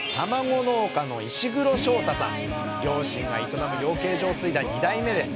両親が営む養鶏場を継いだ２代目です。